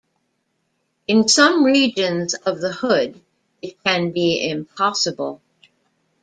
In some regions of the hood it can be impossible.